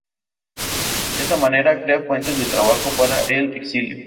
De esta manera crea fuentes de trabajo para el exilio.